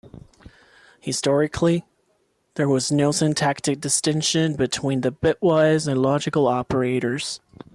Historically, there was no syntactic distinction between the bitwise and logical operators.